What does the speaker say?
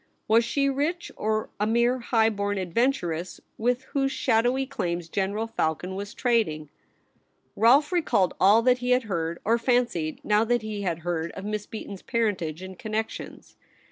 Was she rich, or a mere high born adventuress with whose shadowy claims General Falcon was trading } Rolle recalled all that he had heard, or fancied now that he had heard, of Miss Beaton's parentage and connections.